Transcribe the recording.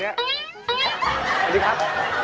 สวัสดีครับ